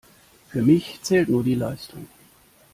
Für mich zählt nur die Leistung.